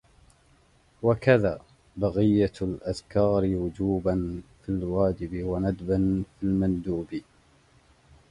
وَكَذَا بَقِيَّةُ الْأَذْكَارِ وُجُوبًا فِي الْوَاجِبِ وَنَدْبًا فِي الْمَنْدُوبِ